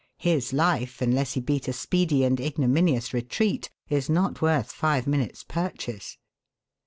His life, unless he beat a speedy and ignominious retreat, is not worth five minutes' purchase.